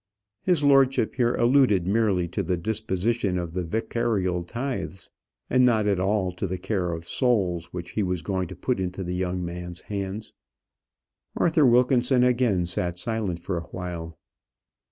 His lordship here alluded merely to the disposition of the vicarial tithes, and not at all to the care of souls which he was going to put into the young man's hands. Arthur Wilkinson again sat silent for awhile.